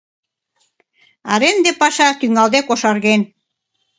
Аренде паша тӱҥалде кошарген.